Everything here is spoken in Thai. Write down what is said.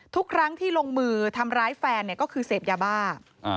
ทุกครั้งที่ลงมือทำร้ายแฟนก็คือเสพยาบ้า